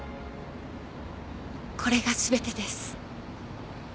これがすべてです